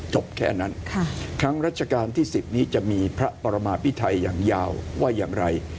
จบแค่นั้นครั้งรัชกาลที่๑๐นี้จะมีพระปรมาพิไทยอย่างยาวว่าอย่างไร